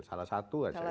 salah satu aja ya